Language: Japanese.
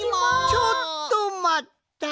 ちょっとまった！